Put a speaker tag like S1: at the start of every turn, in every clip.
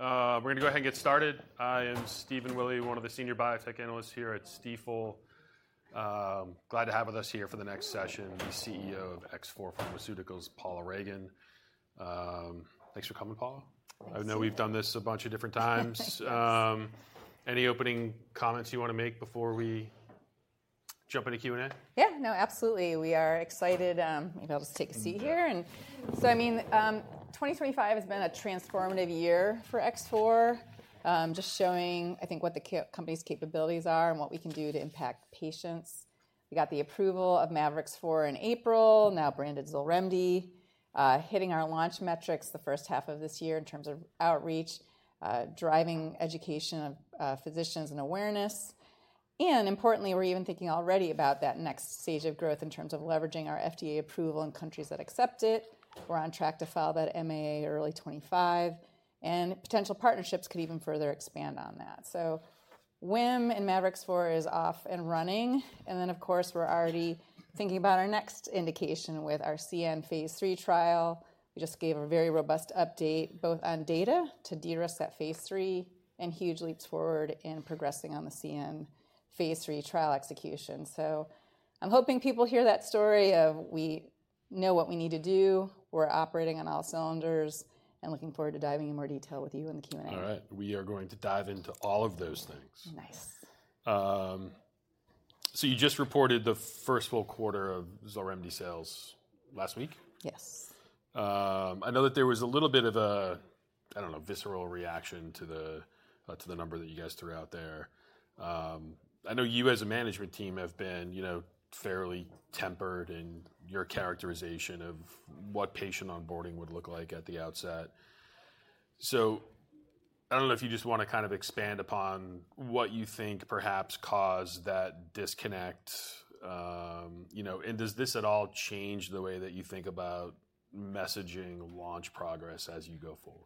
S1: All right. We're going to go ahead and get started. I am Stephen Willey, one of the senior biotech analysts here at Stifel. Glad to have you with us here for the next session. The CEO of X4 Pharmaceuticals, Paula Ragan. Thanks for coming, Paula. I know we've done this a bunch of different times. Any opening comments you want to make before we jump into Q&A?
S2: Yeah, no, absolutely. We are excited. I'll just take a seat here. And so, I mean, 2025 has been a transformative year for X4, just showing, I think, what the company's capabilities are and what we can do to impact patients. We got the approval of mavorixafor in April, now branded XOLREMDI, hitting our launch metrics the first half of this year in terms of outreach, driving education of physicians and awareness. And importantly, we're even thinking already about that next stage of growth in terms of leveraging our FDA approval in countries that accept it. We're on track to file that MAA early 2025, and potential partnerships could even further expand on that. So WHIM and mavorixafor is off and running. And then, of course, we're already thinking about our next indication with our CN Phase 3 trial. We just gave a very robust update both on data to de-risk that Phase 3 and huge leaps forward in progressing on the CN Phase 3 trial execution. So I'm hoping people hear that story of we know what we need to do. We're operating on all cylinders and looking forward to diving in more detail with you in the Q&A.
S1: All right. We are going to dive into all of those things.
S2: Nice.
S1: You just reported the first full quarter of XOLREMDI sales last week?
S2: Yes.
S1: I know that there was a little bit of a, I don't know, visceral reaction to the number that you guys threw out there. I know you as a management team have been fairly tempered in your characterization of what patient onboarding would look like at the outset. So I don't know if you just want to kind of expand upon what you think perhaps caused that disconnect, and does this at all change the way that you think about messaging launch progress as you go forward?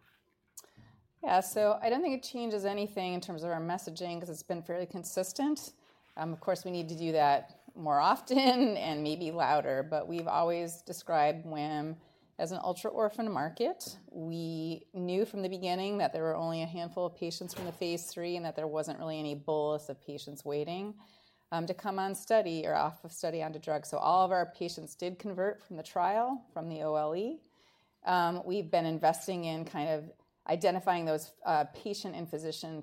S2: Yeah. So I don't think it changes anything in terms of our messaging because it's been fairly consistent. Of course, we need to do that more often and maybe louder, but we've always described WHIM as an ultra-orphan market. We knew from the beginning that there were only a handful of patients from the Phase 3 and that there wasn't really any bolus of patients waiting to come on study or off of study onto drug. So all of our patients did convert from the trial from the OLE. We've been investing in kind of identifying those patient and physician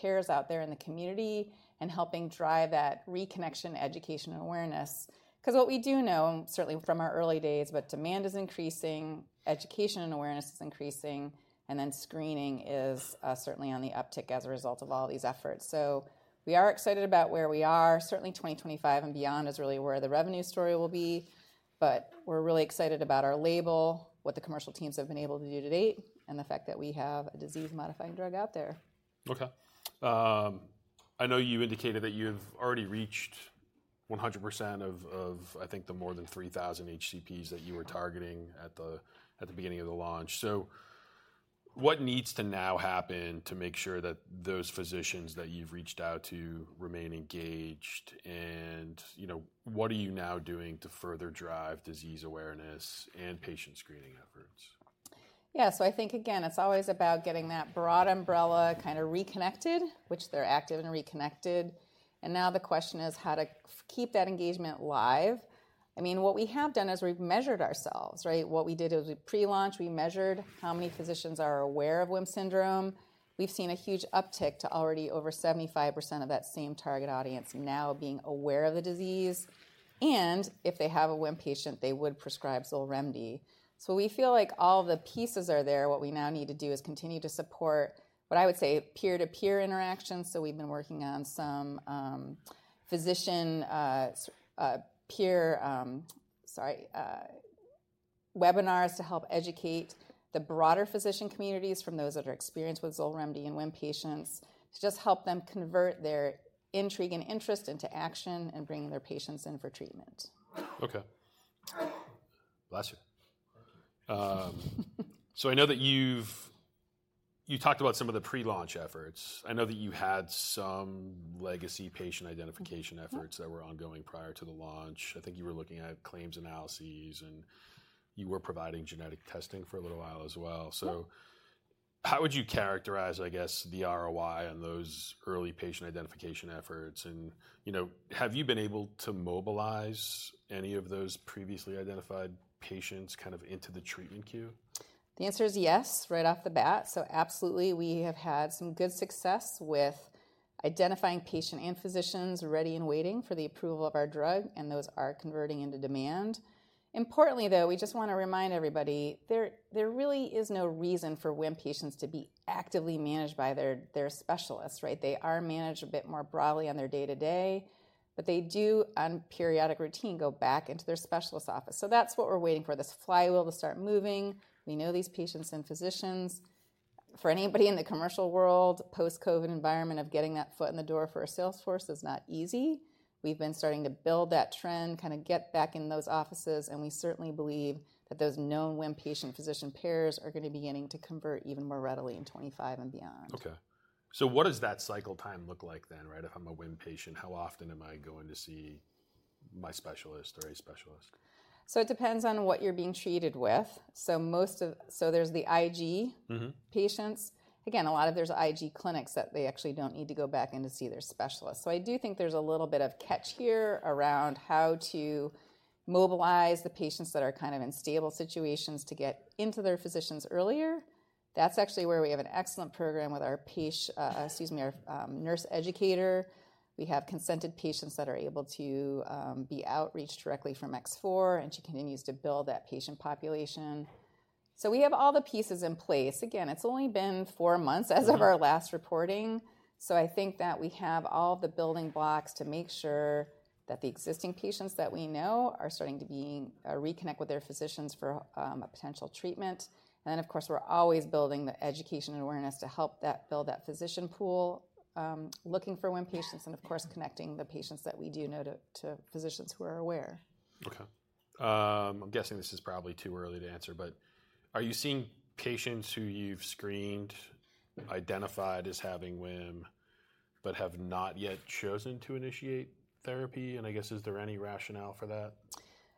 S2: pairs out there in the community and helping drive that reconnection, education, and awareness. Because what we do know, certainly from our early days. But demand is increasing, education and awareness is increasing, and then screening is certainly on the uptick as a result of all these efforts. So we are excited about where we are. Certainly 2025 and beyond is really where the revenue story will be. But we're really excited about our label, what the commercial teams have been able to do to date, and the fact that we have a disease-modifying drug out there.
S1: Okay. I know you indicated that you have already reached 100% of, I think, the more than 3,000 HCPs that you were targeting at the beginning of the launch. So what needs to now happen to make sure that those physicians that you've reached out to remain engaged? And what are you now doing to further drive disease awareness and patient screening efforts?
S2: Yeah. So I think, again, it's always about getting that broad umbrella kind of reconnected, which they're active and reconnected. And now the question is how to keep that engagement live. I mean, what we have done is we've measured ourselves, right? What we did was we pre-launched, we measured how many physicians are aware of WHIM syndrome. We've seen a huge uptick to already over 75% of that same target audience now being aware of the disease. And if they have a WHIM patient, they would prescribe XOLREMDI. So we feel like all the pieces are there. What we now need to do is continue to support what I would say peer-to-peer interaction. So we've been working on some physician peer, sorry, webinars to help educate the broader physician communities from those that are experienced with XOLREMDI and WHIM patients to just help them convert their intrigue and interest into action and bring their patients in for treatment.
S1: Okay. Bless you. So I know that you've talked about some of the pre-launch efforts. I know that you had some legacy patient identification efforts that were ongoing prior to the launch. I think you were looking at claims analyses and you were providing genetic testing for a little while as well. So how would you characterize, I guess, the ROI on those early patient identification efforts? And have you been able to mobilize any of those previously identified patients kind of into the treatment queue?
S2: The answer is yes, right off the bat. So absolutely, we have had some good success with identifying patients and physicians ready and waiting for the approval of our drug, and those are converting into demand. Importantly, though, we just want to remind everybody there really is no reason for WHIM patients to be actively managed by their specialists, right? They are managed a bit more broadly on their day-to-day, but they do on periodic routine go back into their specialist office. So that's what we're waiting for, this flywheel to start moving. We know these patients and physicians. For anybody in the commercial world, post-COVID environment of getting that foot in the door for a sales force is not easy. We've been starting to build that trend, kind of get back in those offices, and we certainly believe that those known WHIM patient-physician pairs are going to be beginning to convert even more readily in 2025 and beyond.
S1: Okay, so what does that cycle time look like then, right? If I'm a WHIM patient, how often am I going to see my specialist or a specialist?
S2: So it depends on what you're being treated with. So there's the IG patients. Again, a lot of there's IG clinics that they actually don't need to go back in to see their specialist. So I do think there's a little bit of catch here around how to mobilize the patients that are kind of in stable situations to get into their physicians earlier. That's actually where we have an excellent program with our nurse educator. We have consented patients that are able to be outreached directly from X4, and she continues to build that patient population. So we have all the pieces in place. Again, it's only been four months as of our last reporting. So I think that we have all the building blocks to make sure that the existing patients that we know are starting to reconnect with their physicians for potential treatment. And then, of course, we're always building the education and awareness to help build that physician pool looking for WHIM patients and, of course, connecting the patients that we do know to physicians who are aware.
S1: Okay. I'm guessing this is probably too early to answer, but are you seeing patients who you've screened, identified as having WHIM, but have not yet chosen to initiate therapy? And I guess, is there any rationale for that?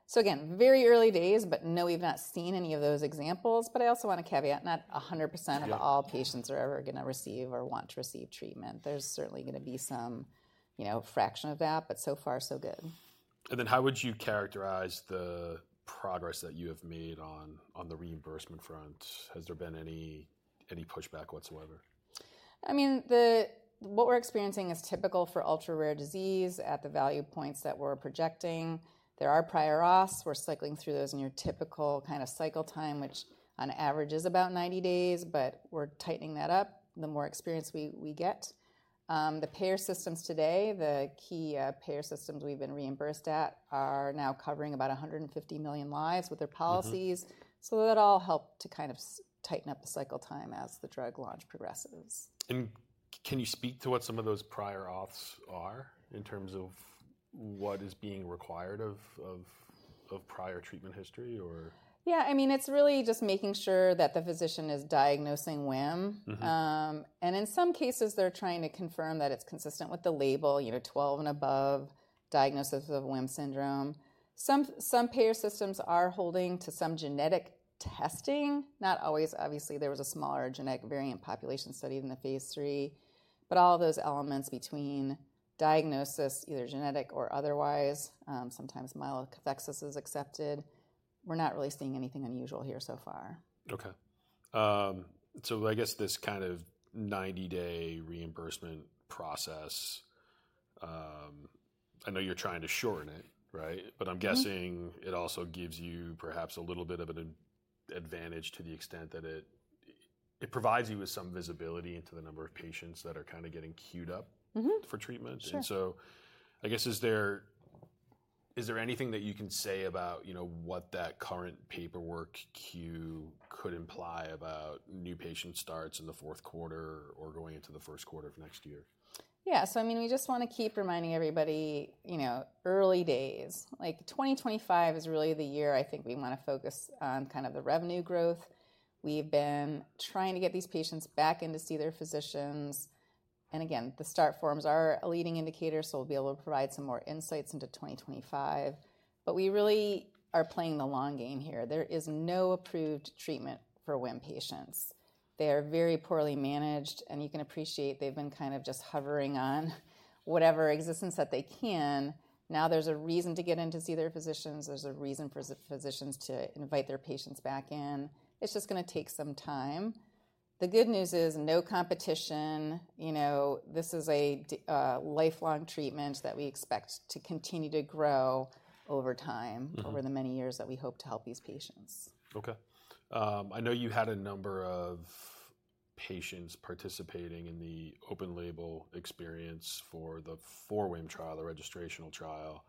S2: So again, very early days, but no, we've not seen any of those examples. But I also want to caveat not 100% of all patients are ever going to receive or want to receive treatment. There's certainly going to be some fraction of that, but so far, so good.
S1: Then how would you characterize the progress that you have made on the reimbursement front? Has there been any pushback whatsoever?
S2: I mean, what we're experiencing is typical for ultra-rare disease at the value points that we're projecting. There are prior auths. We're cycling through those in your typical kind of cycle time, which on average is about 90 days, but we're tightening that up the more experience we get. The payer systems today, the key payer systems we've been reimbursed at are now covering about 150 million lives with their policies. So that'll help to kind of tighten up the cycle time as the drug launch progresses.
S1: Can you speak to what some of those prior auths are in terms of what is being required of prior treatment history, or?
S2: Yeah. I mean, it's really just making sure that the physician is diagnosing WHIM. And in some cases, they're trying to confirm that it's consistent with the label, 12 and above, diagnosis of WHIM syndrome. Some payer systems are holding to some genetic testing. Not always, obviously, there was a smaller genetic variant population study in the Phase 3, but all those elements between diagnosis, either genetic or otherwise, sometimes myelokathexis is accepted. We're not really seeing anything unusual here so far.
S1: Okay. So I guess this kind of 90-day reimbursement process, I know you're trying to shorten it, right? But I'm guessing it also gives you perhaps a little bit of an advantage to the extent that it provides you with some visibility into the number of patients that are kind of getting queued up for treatment. And so I guess, is there anything that you can say about what that current paperwork queue could imply about new patient starts in the fourth quarter or going into the first quarter of next year?
S2: Yeah. So I mean, we just want to keep reminding everybody. Early days. Like, 2025 is really the year I think we want to focus on kind of the revenue growth. We've been trying to get these patients back in to see their physicians. And again, the start forms are a leading indicator, so we'll be able to provide some more insights into 2025. But we really are playing the long game here. There is no approved treatment for WHIM patients. They are very poorly managed, and you can appreciate they've been kind of just hovering on whatever existence that they can. Now there's a reason to get in to see their physicians. There's a reason for physicians to invite their patients back in. It's just going to take some time. The good news is no competition. This is a lifelong treatment that we expect to continue to grow over time over the many years that we hope to help these patients.
S1: Okay. I know you had a number of patients participating in the open label extension for the 4WHIM trial, the registrational trial.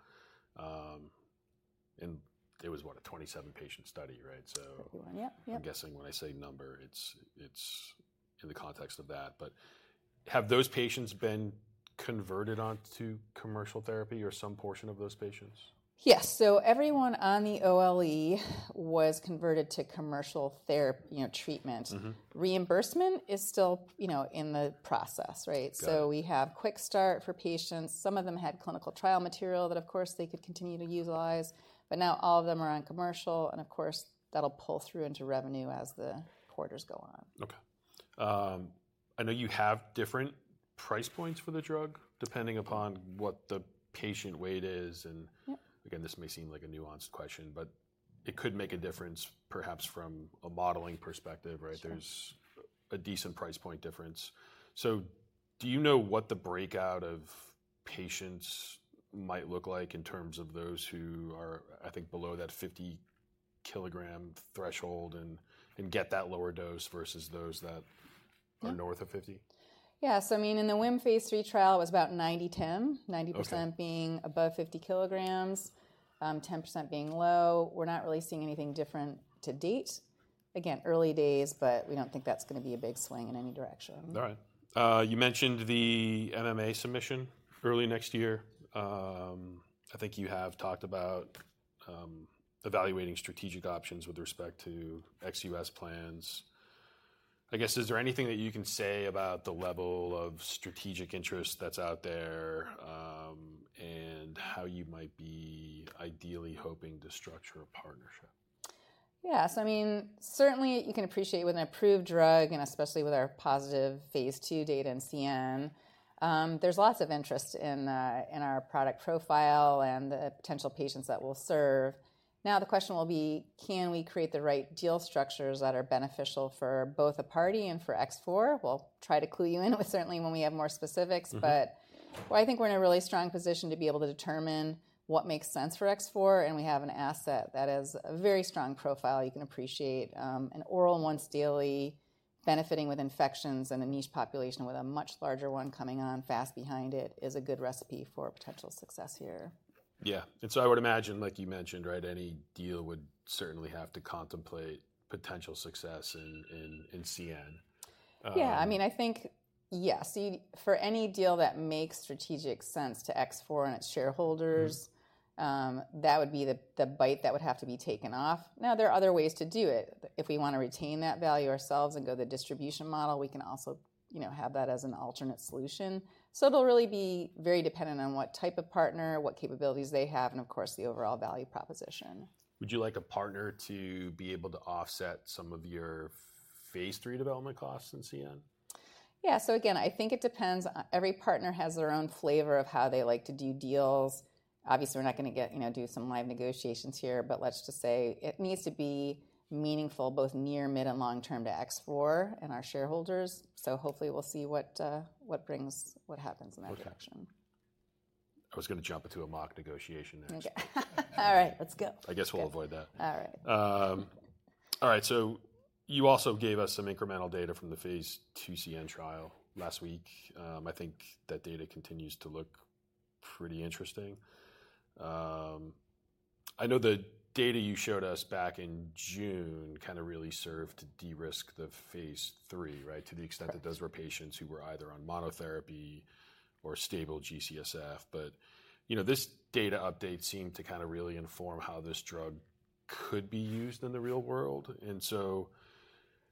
S1: And it was, what, a 27-patient study, right? So I'm guessing when I say number, it's in the context of that. But have those patients been converted onto commercial therapy or some portion of those patients?
S2: Yes, so everyone on the OLE was converted to commercial treatment. Reimbursement is still in the process, right, so we have quick start for patients. Some of them had clinical trial material that, of course, they could continue to utilize. But now all of them are on commercial, and of course, that'll pull through into revenue as the quarters go on.
S1: Okay. I know you have different price points for the drug depending upon what the patient weight is, and again, this may seem like a nuanced question, but it could make a difference perhaps from a modeling perspective, right? There's a decent price point difference, so do you know what the breakdown of patients might look like in terms of those who are, I think, below that 50-kilogram threshold and get that lower dose versus those that are north of 50?
S2: Yeah. So I mean, in the WHIM Phase 3 trial, it was about 90-10, 90% being above 50 kilograms, 10% being low. We're not really seeing anything different to date. Again, early days, but we don't think that's going to be a big swing in any direction.
S1: All right. You mentioned the MAA submission early next year. I think you have talked about evaluating strategic options with respect to ex-US plans. I guess, is there anything that you can say about the level of strategic interest that's out there and how you might be ideally hoping to structure a partnership?
S2: Yeah. So I mean, certainly you can appreciate with an approved drug and especially with our positive Phase 2 data in CN, there's lots of interest in our product profile and the potential patients that we'll serve. Now the question will be, can we create the right deal structures that are beneficial for both a party and for X4? We'll try to clue you in certainly when we have more specifics. But I think we're in a really strong position to be able to determine what makes sense for X4. And we have an asset that is a very strong profile. You can appreciate an oral once daily benefiting with infections and a niche population with a much larger one coming on fast behind it is a good recipe for potential success here.
S1: Yeah. And so I would imagine, like you mentioned, right, any deal would certainly have to contemplate potential success in CN.
S2: Yeah. I mean, I think, yes, for any deal that makes strategic sense to X4 and its shareholders, that would be the bite that would have to be taken off. Now there are other ways to do it. If we want to retain that value ourselves and go the distribution model, we can also have that as an alternate solution. So it'll really be very dependent on what type of partner, what capabilities they have, and of course, the overall value proposition.
S1: Would you like a partner to be able to offset some of your Phase 3 development costs in CN?
S2: Yeah. So again, I think it depends. Every partner has their own flavor of how they like to do deals. Obviously, we're not going to do some live negotiations here, but let's just say it needs to be meaningful both near, mid, and long term to X4 and our shareholders. So hopefully we'll see what happens in that direction.
S1: I was going to jump into a mock negotiation next.
S2: Okay. All right. Let's go.
S1: I guess we'll avoid that.
S2: All right.
S1: All right. So you also gave us some incremental data from the Phase 2 CN trial last week. I think that data continues to look pretty interesting. I know the data you showed us back in June kind of really served to de-risk the Phase 3, right, to the extent that those were patients who were either on monotherapy or stable G-CSF. But this data update seemed to kind of really inform how this drug could be used in the real world.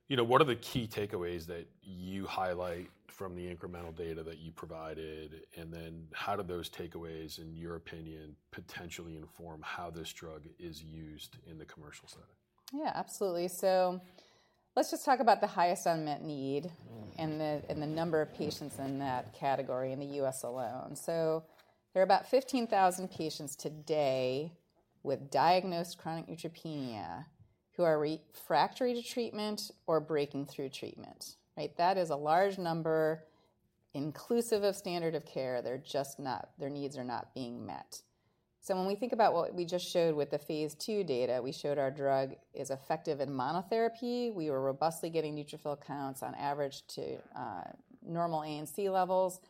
S1: And so what are the key takeaways that you highlight from the incremental data that you provided? And then how do those takeaways, in your opinion, potentially inform how this drug is used in the commercial setting?
S2: Yeah, absolutely. So let's just talk about the highest unmet need and the number of patients in that category in the U.S. alone. So there are about 15,000 patients today with diagnosed chronic neutropenia who are refractory to treatment or breaking through treatment, right? That is a large number inclusive of standard of care. Their needs are not being met. So when we think about what we just showed with the Phase 2 data, we showed our drug is effective in monotherapy. We were robustly getting neutrophil counts on average to normal ANC levels.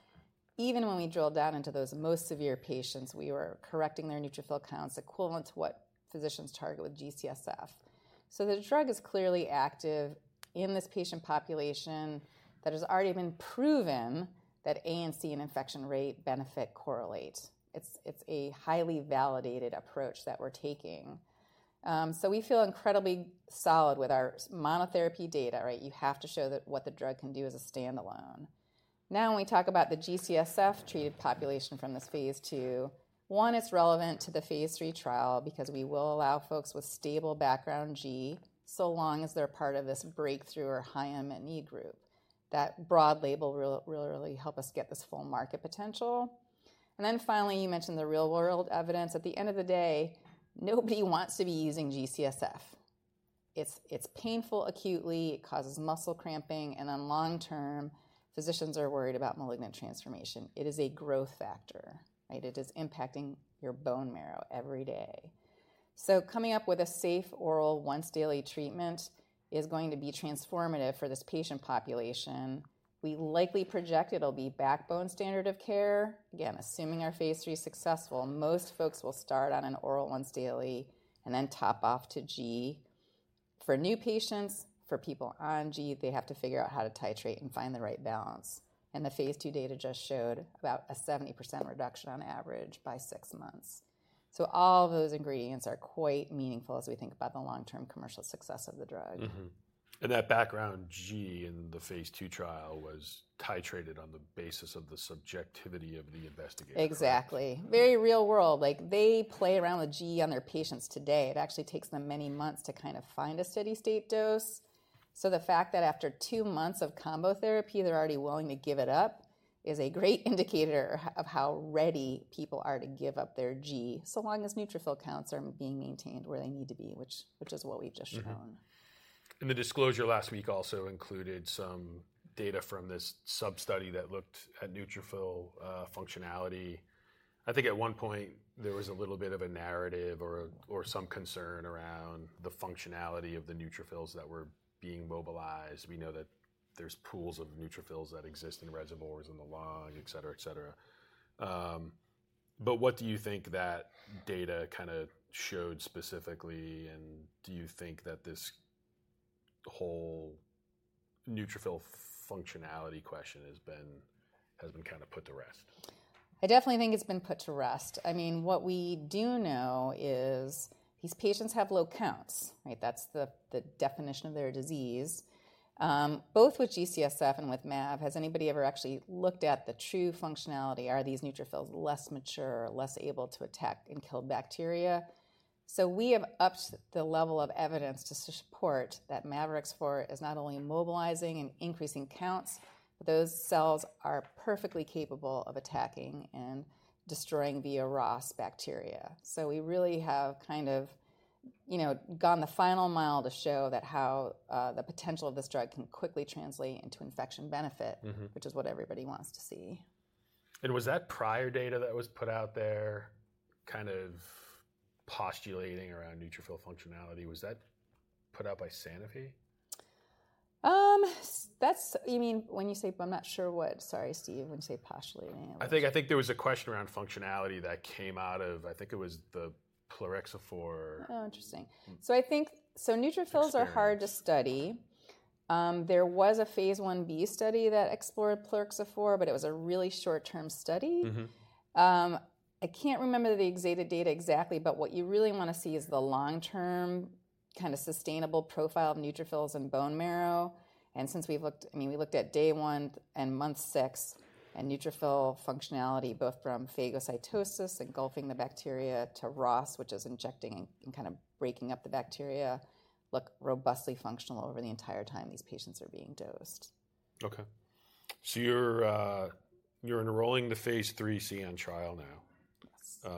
S2: Even when we drilled down into those most severe patients, we were correcting their neutrophil counts equivalent to what physicians target with G-CSF. So the drug is clearly active in this patient population that has already been proven that ANC and infection rate benefit correlate. It's a highly validated approach that we're taking. So we feel incredibly solid with our monotherapy data, right? You have to show that what the drug can do as a standalone. Now when we talk about the G-CSF-treated population from this Phase 2, one it's relevant to the Phase 3 trial because we will allow folks with stable background G-CSF so long as they're part of this breakthrough or high unmet need group. That broad label will really help us get this full market potential. And then finally, you mentioned the real-world evidence. At the end of the day, nobody wants to be using G-CSF. It's painful acutely. It causes muscle cramping. And on long-term, physicians are worried about malignant transformation. It is a growth factor, right? It is impacting your bone marrow every day. So coming up with a safe oral once daily treatment is going to be transformative for this patient population. We likely project it'll be backbone standard of care. Again, assuming our Phase 3 is successful, most folks will start on an oral once daily and then top off to G. For new patients, for people on G, they have to figure out how to titrate and find the right balance. And the Phase 2 data just showed about a 70% reduction on average by six months. So all those ingredients are quite meaningful as we think about the long-term commercial success of the drug.
S1: That background G in the Phase 2 trial was titrated on the basis of the subjectivity of the investigator.
S2: Exactly. Very real world. They play around with G on their patients today. It actually takes them many months to kind of find a steady-state dose. So the fact that after two months of combo therapy, they're already willing to give it up is a great indicator of how ready people are to give up their G so long as neutrophil counts are being maintained where they need to be, which is what we've just shown.
S1: And the disclosure last week also included some data from this sub-study that looked at neutrophil functionality. I think at one point there was a little bit of a narrative or some concern around the functionality of the neutrophils that were being mobilized. We know that there's pools of neutrophils that exist in reservoirs in the lung, et cetera, et cetera. But what do you think that data kind of showed specifically? And do you think that this whole neutrophil functionality question has been kind of put to rest?
S2: I definitely think it's been put to rest. I mean, what we do know is these patients have low counts, right? That's the definition of their disease. Both with G-CSF and with Mav, has anybody ever actually looked at the true functionality? Are these neutrophils less mature, less able to attack and kill bacteria? So we have upped the level of evidence to support that mavorixafor is not only mobilizing and increasing counts, but those cells are perfectly capable of attacking and destroying via ROS bacteria. So we really have kind of gone the final mile to show that how the potential of this drug can quickly translate into infection benefit, which is what everybody wants to see.
S1: Was that prior data that was put out there kind of postulating around neutrophil functionality? Was that put out by Sanofi?
S2: You mean when you say, but I'm not sure what. Sorry, Steve, when you say postulating.
S1: I think there was a question around functionality that came out of, I think it was the plerixafor.
S2: Oh, interesting. So neutrophils are hard to study. There was a Phase 1b study that explored plerixafor, but it was a really short-term study. I can't remember the endpoint data exactly, but what you really want to see is the long-term kind of sustainable profile of neutrophils and bone marrow. And since we've looked, I mean, we looked at day one and month six and neutrophil functionality, both from phagocytosis engulfing the bacteria to ROS, which is injecting and kind of breaking up the bacteria, look robustly functional over the entire time these patients are being dosed.
S1: Okay, so you're enrolling the Phase 3 CN trial now.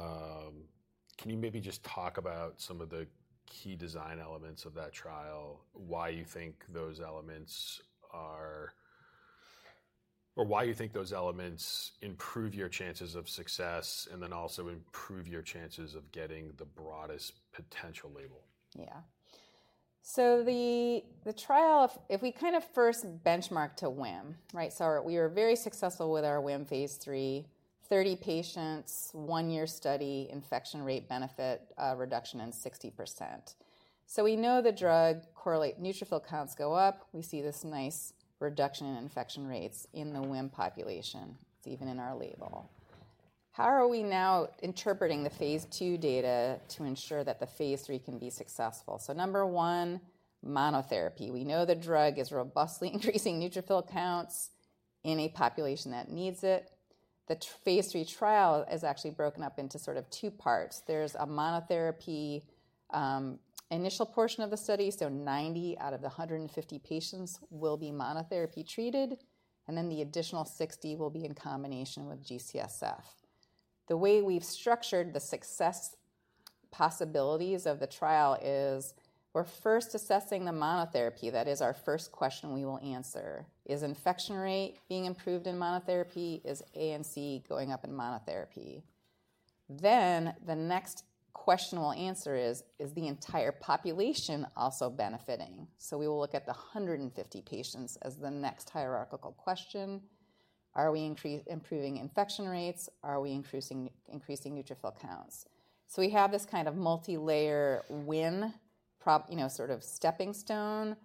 S1: Can you maybe just talk about some of the key design elements of that trial, why you think those elements are or why you think those elements improve your chances of success and then also improve your chances of getting the broadest potential label?
S2: Yeah. So the trial, if we kind of first benchmark to WHIM, right? So we were very successful with our WHIM Phase 3, 30 patients, one-year study, infection rate benefit reduction in 60%. So we know the drug correlates, neutrophil counts go up. We see this nice reduction in infection rates in the WHIM population. It's even in our label. How are we now interpreting the Phase 2 data to ensure that the Phase 3 can be successful? So number one, monotherapy. We know the drug is robustly increasing neutrophil counts in a population that needs it. The Phase 3 trial is actually broken up into sort of two parts. There's a monotherapy initial portion of the study. So 90 out of the 150 patients will be monotherapy treated. And then the additional 60 will be in combination with G-CSF. The way we've structured the success possibilities of the trial is we're first assessing the monotherapy. That is our first question we will answer. Is infection rate being improved in monotherapy? Is ANC going up in monotherapy? Then the next question we'll answer is, is the entire population also benefiting? So we will look at the 150 patients as the next hierarchical question. Are we improving infection rates? Are we increasing neutrophil counts? So we have this kind of multi-layer WHIM sort of stepping stone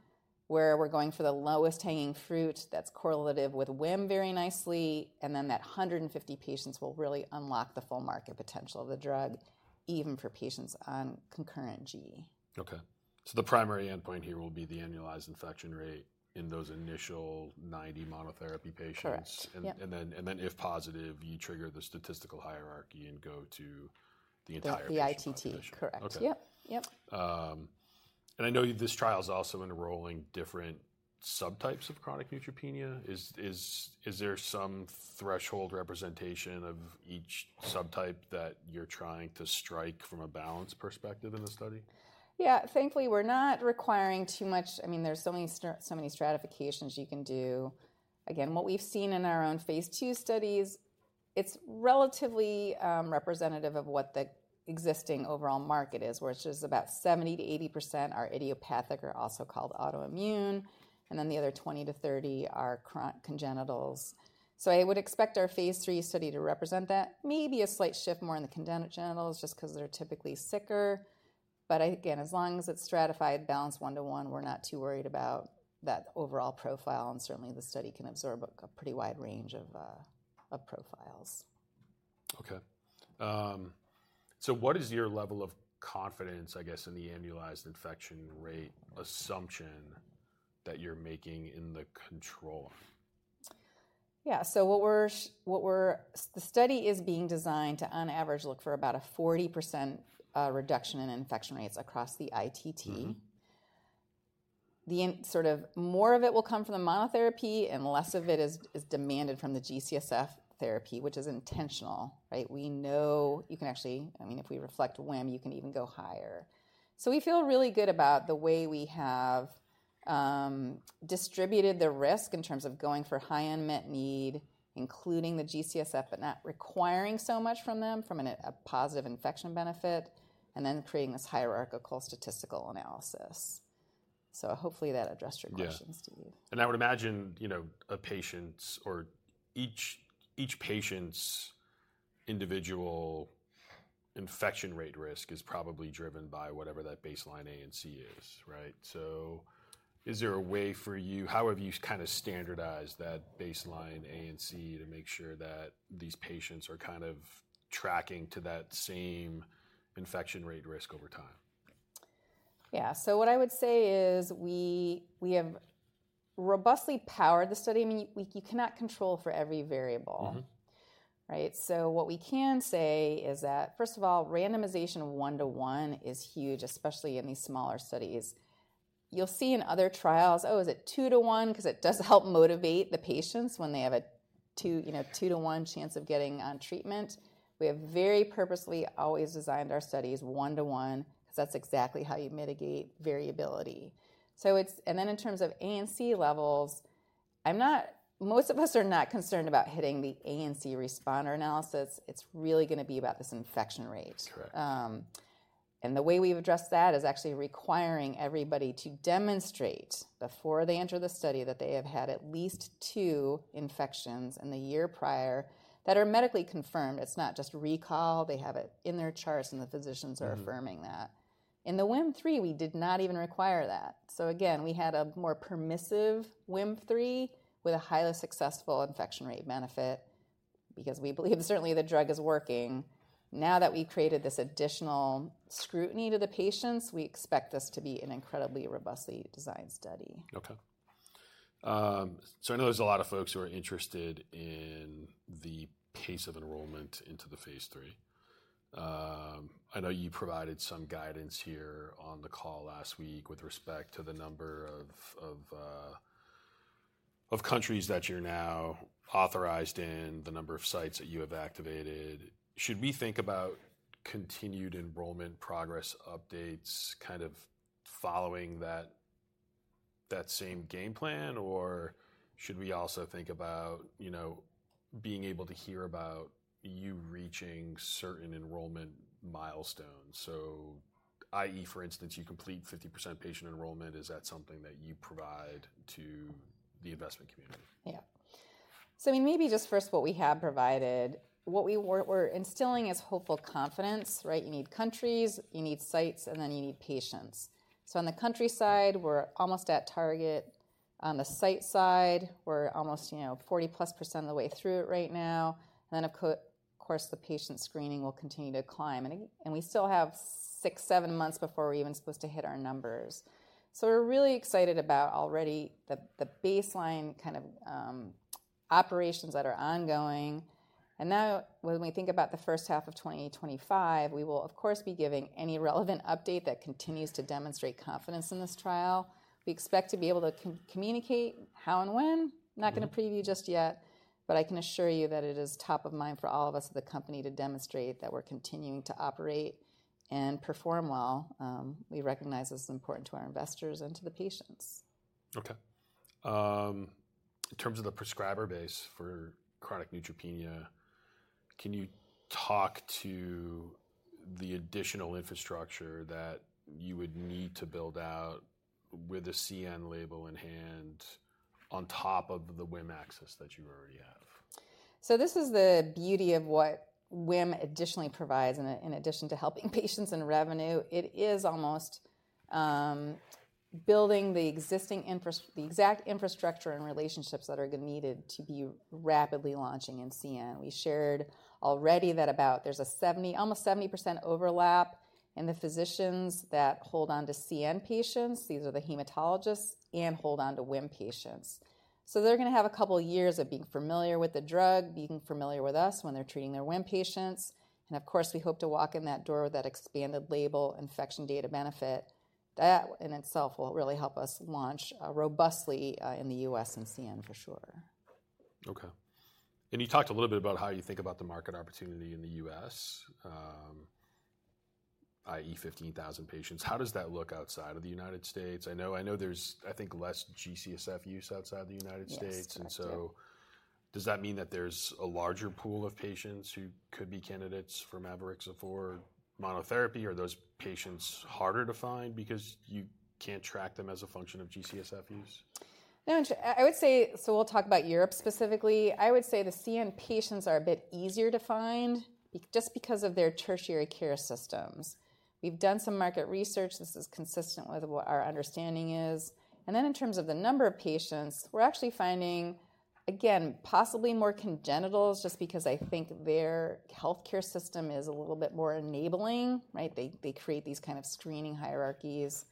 S2: where we're going for the lowest hanging fruit that's correlative with WHIM very nicely. And then that 150 patients will really unlock the full market potential of the drug, even for patients on concurrent G-CSF.
S1: Okay, so the primary endpoint here will be the annualized infection rate in those initial 90 monotherapy patients.
S2: Correct.
S1: If positive, you trigger the statistical hierarchy and go to the entire population.
S2: That's the ITT. Correct. Yep. Yep.
S1: And I know this trial is also enrolling different subtypes of chronic neutropenia. Is there some threshold representation of each subtype that you're trying to strike from a balance perspective in the study?
S2: Yeah. Thankfully, we're not requiring too much. I mean, there's so many stratifications you can do. Again, what we've seen in our own Phase 2 studies, it's relatively representative of what the existing overall market is, where it's just about 70%-80% are idiopathic or also called autoimmune. And then the other 20-30 are congenitals. So I would expect our Phase 3 study to represent that. Maybe a slight shift more in the congenitals just because they're typically sicker. But again, as long as it's stratified, balanced one-to-one, we're not too worried about that overall profile. And certainly, the study can absorb a pretty wide range of profiles.
S1: Okay. So what is your level of confidence, I guess, in the annualized infection rate assumption that you're making in the control?
S2: Yeah. So the study is being designed to, on average, look for about a 40% reduction in infection rates across the ITT. Sort of more of it will come from the monotherapy and less of it is demanded from the G-CSF therapy, which is intentional, right? We know you can actually, I mean, if we reflect WHIM, you can even go higher. So we feel really good about the way we have distributed the risk in terms of going for high unmet need, including the G-CSF, but not requiring so much from them from a positive infection benefit, and then creating this hierarchical statistical analysis. So hopefully that addressed your questions, Steve.
S1: Yeah. And I would imagine a patient's or each patient's individual infection rate risk is probably driven by whatever that baseline ANC is, right? So is there a way for you, how have you kind of standardized that baseline ANC to make sure that these patients are kind of tracking to that same infection rate risk over time?
S2: Yeah. So what I would say is we have robustly powered the study. I mean, you cannot control for every variable, right? So what we can say is that, first of all, randomization one-to-one is huge, especially in these smaller studies. You'll see in other trials, oh, is it two-to-one? Because it does help motivate the patients when they have a two-to-one chance of getting on treatment. We have very purposely always designed our studies one-to-one because that's exactly how you mitigate variability. And then in terms of ANC levels, most of us are not concerned about hitting the ANC responder analysis. It's really going to be about this infection rate.
S1: Correct.
S2: And the way we've addressed that is actually requiring everybody to demonstrate before they enter the study that they have had at least two infections in the year prior that are medically confirmed. It's not just recall. They have it in their charts and the physicians are affirming that. In the 4WHIM, we did not even require that. So again, we had a more permissive 4WHIM with a highly successful infection rate benefit because we believe certainly the drug is working. Now that we created this additional scrutiny to the patients, we expect this to be an incredibly robustly designed study.
S1: Okay. So I know there's a lot of folks who are interested in the pace of enrollment into the Phase 3. I know you provided some guidance here on the call last week with respect to the number of countries that you're now authorized in, the number of sites that you have activated. Should we think about continued enrollment progress updates kind of following that same game plan? Or should we also think about being able to hear about you reaching certain enrollment milestones? So i.e., for instance, you complete 50% patient enrollment. Is that something that you provide to the investment community?
S2: Yeah. So I mean, maybe just first what we have provided, what we're instilling is hopeful confidence, right? You need countries, you need sites, and then you need patients. So on the country side, we're almost at target. On the site side, we're almost 40-plus% of the way through it right now. And then, of course, the patient screening will continue to climb. And we still have six, seven months before we're even supposed to hit our numbers. So we're really excited about already the baseline kind of operations that are ongoing. And now when we think about the first half of 2025, we will, of course, be giving any relevant update that continues to demonstrate confidence in this trial. We expect to be able to communicate how and when. Not going to preview just yet, but I can assure you that it is top of mind for all of us at the company to demonstrate that we're continuing to operate and perform well. We recognize this is important to our investors and to the patients.
S1: Okay. In terms of the prescriber base for chronic neutropenia, can you talk to the additional infrastructure that you would need to build out with a CN label in hand on top of the WHIM access that you already have?
S2: So this is the beauty of what WHIM additionally provides in addition to helping patients and revenue. It is almost building the existing infrastructure, the exact infrastructure and relationships that are needed to be rapidly launching in CN. We shared already that about there's almost 70% overlap in the physicians that hold on to CN patients. These are the hematologists and hold on to WHIM patients. So they're going to have a couple of years of being familiar with the drug, being familiar with us when they're treating their WHIM patients. And of course, we hope to walk in that door with that expanded label infection data benefit. That in itself will really help us launch robustly in the U.S. and CN for sure.
S1: Okay. And you talked a little bit about how you think about the market opportunity in the U.S., i.e., 15,000 patients. How does that look outside of the United States? I know there's, I think, less G-CSF use outside the United States. And so does that mean that there's a larger pool of patients who could be candidates for mavorixafor monotherapy? Are those patients harder to find because you can't track them as a function of G-CSF use?
S2: I would say, so we'll talk about Europe specifically. I would say the CN patients are a bit easier to find just because of their tertiary care systems. We've done some market research. This is consistent with what our understanding is, and then in terms of the number of patients, we're actually finding, again, possibly more congenitals just because I think their healthcare system is a little bit more enabling, right? They create these kind of screening hierarchies.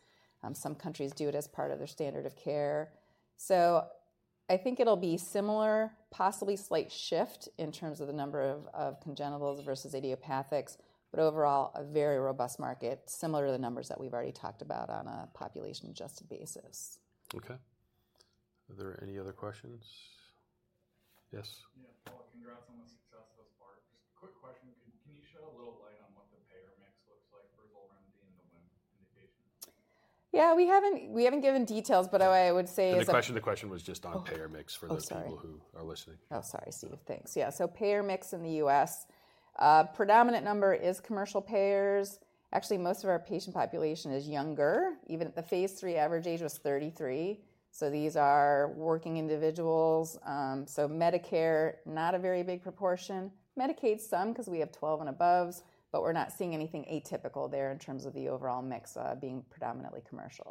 S2: Some countries do it as part of their standard of care, so I think it'll be similar, possibly slight shift in terms of the number of congenitals versus idiopathics, but overall a very robust market, similar to the numbers that we've already talked about on a population adjusted basis.
S1: Okay. Are there any other questions? Yes?
S3: Yeah. Paula, congrats on the success so far. Just a quick question. Can you shed a little light on what the payer mix looks like for XOLREMDI and the WHIM indication?
S2: Yeah. We haven't given details, but I would say.
S1: The question was just on payer mix for the people who are listening.
S2: Oh, sorry. Steve, thanks. Yeah. So payer mix in the U.S., predominant number is commercial payers. Actually, most of our patient population is younger. Even at the Phase 3, average age was 33. So these are working individuals. So Medicare, not a very big proportion. Medicaid some because we have 12 and above, but we're not seeing anything atypical there in terms of the overall mix being predominantly commercial.